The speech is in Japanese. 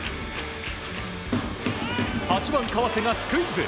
８番、川瀬がスクイズ。